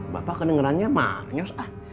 bapak kedengerannya maknyos ah